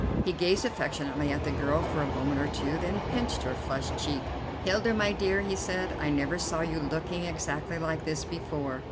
He gazed affectionately at the girl for a moment or two, then pinched her flushed cheek. "Hilda, my dear," he said, "I never saw you looking exactly like this before.